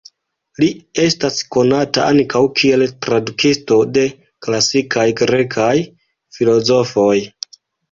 Li estas konata ankaŭ kiel tradukisto de klasikaj grekaj filozofoj.